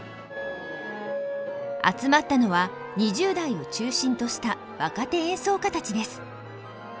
集まったのは２０代を中心とした若手演奏家たちです。